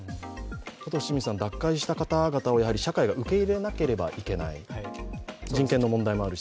あとは脱会した方々を社会が受け入れなければならない、人権の問題もあります。